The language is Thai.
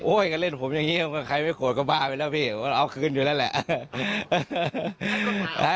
ก็เล่นผมอย่างนี้ใครไม่โกรธก็บ้าไปแล้วพี่ก็เอาคืนอยู่แล้วแหละ